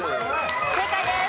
正解です。